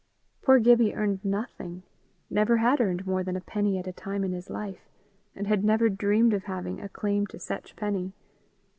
Poor Gibbie earned nothing never had earned more than a penny at a time in his life, and had never dreamed of having a claim to such penny.